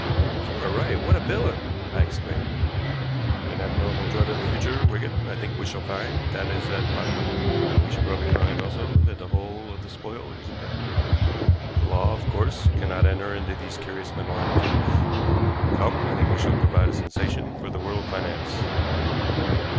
"If you are right, what a villain!" I exclaimed. "An abnormal dread of the future, Wigan; I think we shall find that is at the bottom of it, and we shall probably find also that the whole of the spoil is intact. The law, of course, cannot enter into these curious mental attitudes. Come! I think we shall provide a sensation for the world of finance."